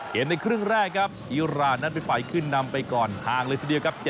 เห็นในครึ่งแรกครับอิโอราณนัดพิไฟขึ้นนำไปก่อนทางเลยทีเดียวครับ